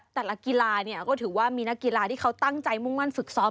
แต่ละกีฬาเนี่ยก็ถือว่ามีนักกีฬาที่เขาตั้งใจมุ่งมั่นฝึกซ้อม